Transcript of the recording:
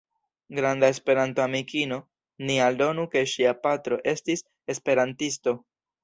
Granda Esperanto-amikino, ni aldonu ke ŝia patro estis esperantisto.